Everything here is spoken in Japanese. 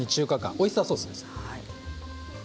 オイスターソースですね。